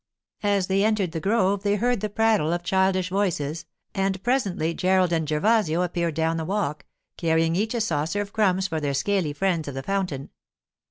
As they entered the grove they heard the prattle of childish voices, and presently Gerald and Gervasio appeared down the walk, carrying each a saucer of crumbs for their scaly friends of the fountain.